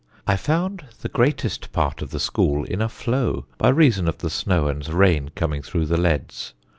I found the greatest part of the school in a flow, by reason of the snow and rain coming through the leads.